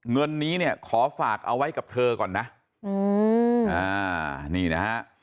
เงินนี้เนี่ยขอฝากเอาไว้กับเธอก่อนนะอืมอ่านี่นะฮะ